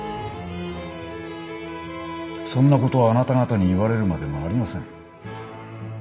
そんなことあなた方に言われるまでもありません。